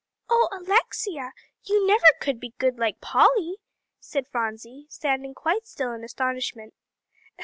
"Oh Alexia, you never could be good like Polly," said Phronsie, standing quite still in astonishment.